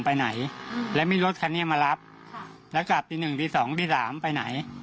ไปไหนแล้วมีรถคันนี้มารับแล้วกลับตีหนึ่งตีสองตีสามไปไหน